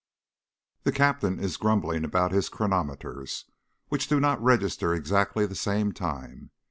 The Captain is grumbling about his chronometers, which do not register exactly the same time.